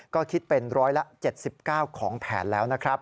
ก็คิดเป็นร้อยละ๗๙ของแผนแล้วนะครับ